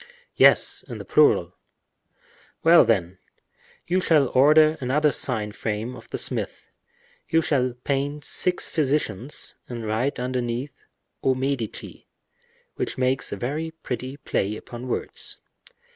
"Yes, in the plural." "Well, then, you shall order another sign frame of the smith; you shall paint six physicians, and write underneath 'Aux Medici' which makes a very pretty play upon words."